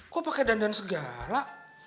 kok pakai dandan segala